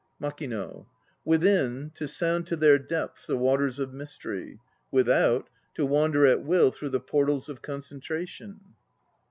MAKING. Within, to sound to their depths the waters of Mystery; Without, to wander at will through the portals of Concentration.